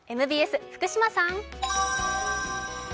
ＭＢＳ・福島さん。